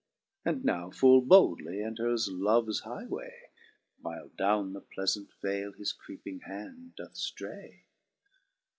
And now full boldly enters loves highway. While downe the pleafant vale his creeping hand doth ftray.